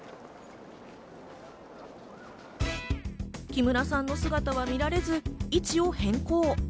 木村さんの姿は見られず、位置を変更。